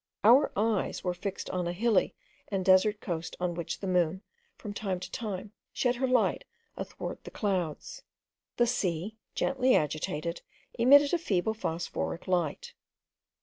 Our eyes were fixed on a hilly and desert coast on which the moon, from time to time, shed her light athwart the clouds. The sea, gently agitated, emitted a feeble phosphoric light.